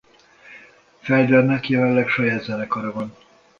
Feldernek jelenleg saját zenekara van.